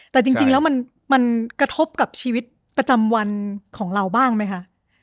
แต่จริงแล้วมันกระทบกับชีวิตประจำวันของเราบ้างไหมคะ